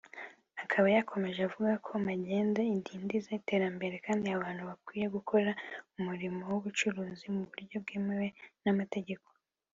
Akaba yakomeje avuga ko Magendo idindiza iterambere kandi abantu bakwiye gukora umurimo w’ubucuruzi muburyo bwemewe na mategeko